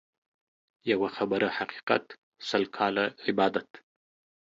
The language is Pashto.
يوه خبره حقيقت ، سل کاله عبادت.